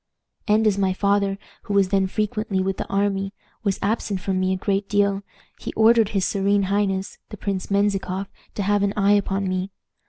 "And as my father, who was then frequently with the army, was absent from me a great deal, he ordered his serene highness, the Prince Menzikoff, to have an eye upon me.